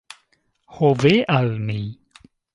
Ho ve al mi!